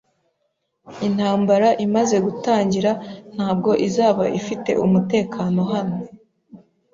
Intambara imaze gutangira, ntabwo izaba ifite umutekano hano